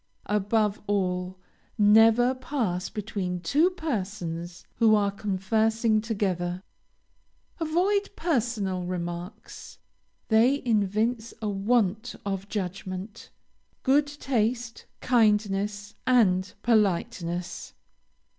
Above all, never pass between two persons who are conversing together. Avoid personal remarks; they evince a want of judgment, good taste, kindness, and politeness.